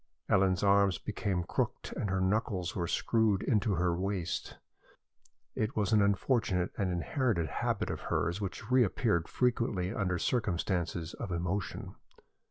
Ellen's arms became crooked and her knuckles were screwed into her waist. It was an unfortunate and inherited habit of hers, which reappeared frequently under circumstances of emotion.